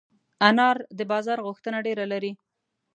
انار د بازار غوښتنه ډېره لري.